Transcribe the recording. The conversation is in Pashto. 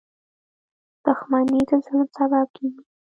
• دښمني د ظلم سبب کېږي.